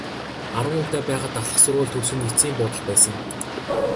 Арван наймтай байхад ахлах сургууль төгсөх нь эцсийн буудал байсан.